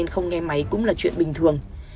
không nghe máy cũng là chuyện bình thường